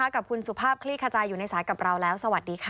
กับคุณสุภาพคลี่ขจายอยู่ในสายกับเราแล้วสวัสดีค่ะ